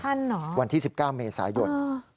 เหรอวันที่๑๙เมษายน